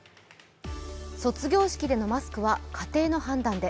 卒業式でのマスクは家庭の判断で。